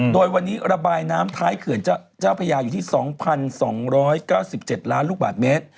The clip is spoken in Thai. โดยวันนี้ระบายน้ำท้ายเขื่อนเจ้าพระยาอยู่ที่๒๒๙๗ล้านลูกบาทเมตร